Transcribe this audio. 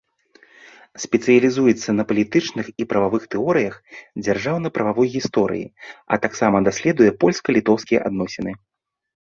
Спецыялізуецца на палітычных і прававых тэорыях дзяржаўна-прававой гісторыі, а таксама даследуе польска-літоўскія адносіны.